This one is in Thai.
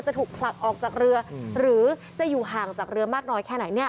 ถูกผลักออกจากเรือหรือจะอยู่ห่างจากเรือมากน้อยแค่ไหนเนี่ย